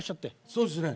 そうですね